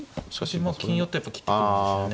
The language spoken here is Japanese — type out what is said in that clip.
まあ金寄ってやっぱ切ってくるんですよね。